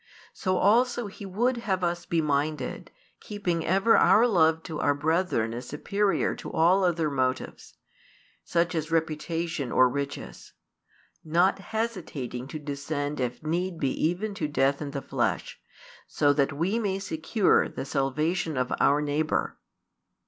So also He would have us be minded, keeping ever our love to our brethren as superior to all other motives, such as reputation or riches; not hesitating to descend if need be even to death in the flesh, so that we may secure the salvation of our neighbour.